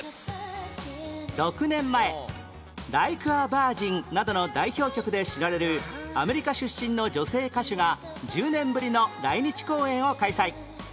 ６年前『ライク・ア・バージン』などの代表曲で知られるアメリカ出身の女性歌手が１０年ぶりの来日公演を開催